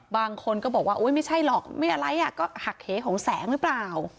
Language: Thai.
บางคนก็บอกว่าไม่ใช่หรอกไม่อะไรก็หักเหของแสงหรือเปล่า